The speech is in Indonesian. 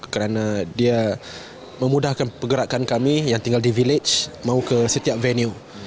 karena dia memudahkan pergerakan kami yang tinggal di village mau ke setiap venue